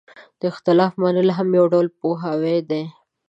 د اختلاف منل هم یو ډول پوهاوی دی.